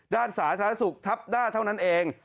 ด้านสาธารณสุขทับหน้าเท่านั้นเอง